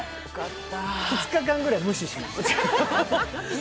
２日間ぐらい無視しました、